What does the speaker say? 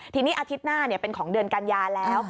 ทีนี้อาทิตย์หน้าเป็นของเดือนกัญญาแล้ว